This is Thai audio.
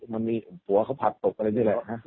มันมีผัวเขาผลัดตกอะไรนี่แหละฮะ